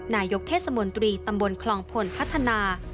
นายกเทศมนตรีตำบลคลองพลพัฒนา